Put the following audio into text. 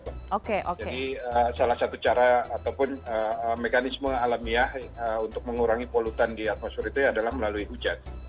jadi salah satu cara ataupun mekanisme alamiah untuk mengurangi polutan di atmosfer itu adalah melalui hujan